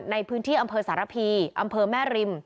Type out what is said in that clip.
ในพื้นที่อำเมษาศาสตร์ละพีอำเมษาแม่ริม